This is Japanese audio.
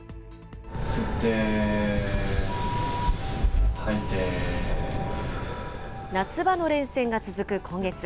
吸ってー、夏場の連戦が続く今月。